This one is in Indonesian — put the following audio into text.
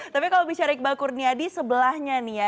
tapi kalau bicara iqbal kurniadi sebelahnya nih ya